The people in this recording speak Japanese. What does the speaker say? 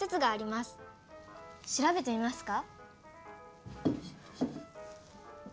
しらべてみますか？